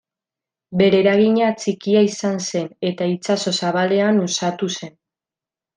Bere eragina txikia izan zen eta itsaso zabalean uxatu zen.